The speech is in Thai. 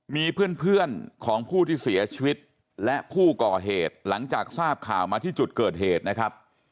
มีเพื่อนของผู้ที่เสียชีวิตและผู้ก่อเหตุหลังจากทราบข่าวมาที่จุดเกิดเหตุนะครับ